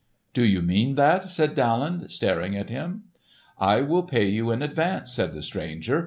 "Do you mean that?" asked Daland staring at him. "I will pay you in advance," said the stranger.